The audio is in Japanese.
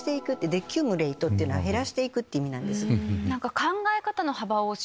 デキュムレートっていうのは減らしていくって意味なんです。